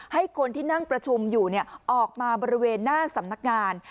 ให้คนที่นั่งประชุมอยู่ออกมาบริเวณหน้าสำนักงาน